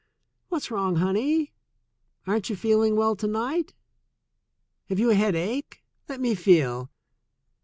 "What's wrong, honey ? Aren't you feeling well to night? Have you a headache? Let me feel."